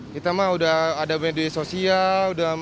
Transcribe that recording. kita mah udah ada media sosial